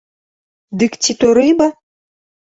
Дык ці то рыба?